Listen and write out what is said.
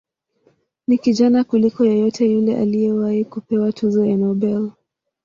Ni kijana kuliko yeyote yule aliyewahi kupewa tuzo ya Nobel.